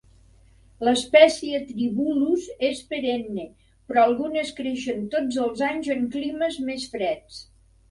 L"espècie "tribulus" és perenne, però algunes creixen tots els anys en climes més freds.